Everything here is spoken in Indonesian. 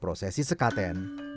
prosesi sekaten dimulai